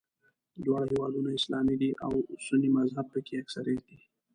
دواړه هېوادونه اسلامي دي او سني مذهب په کې اکثریت دی.